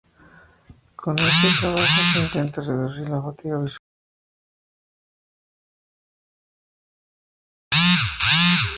Con este trabajo se intenta reducir la fatiga visual.